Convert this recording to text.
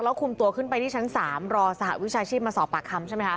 คุมตัวขึ้นไปที่ชั้น๓รอสหวิชาชีพมาสอบปากคำใช่ไหมคะ